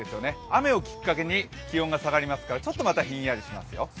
雨をきっかけに気温が下がりますから、ちょっとまたひんやりしますよ。